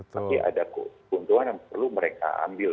tapi ada keuntungan yang perlu mereka ambil